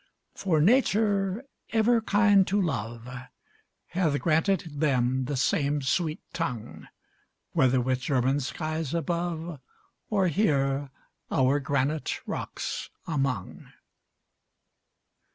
For Nature, ever kind to love, Hath granted them the same sweet tongue, Whether with German skies above, Or here our granite rocks among.